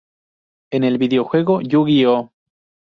En el videojuego Yu-Gi-oh!